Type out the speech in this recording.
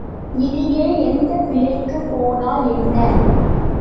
இதிலே எந்த விலைக்குப் போனால் என்ன?